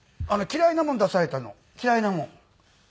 「嫌いなもん出されたの嫌いなもん」。